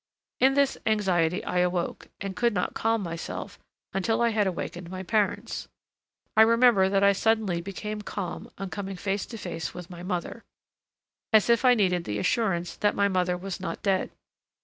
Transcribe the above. In this anxiety I awoke, and could not calm myself until I had awakened my parents. I remember that I suddenly became calm on coming face to face with my mother, as if I needed the assurance that my mother was not dead.